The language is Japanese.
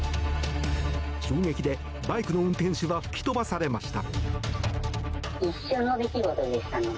衝撃でバイクの運転手は吹き飛ばされました。